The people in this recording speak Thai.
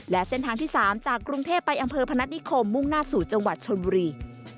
และเส้นทางที่๓จากกรุงเทพไปอำเภอพนัฐนิคมมุ่งหน้าสู่จังหวัดชนบุรี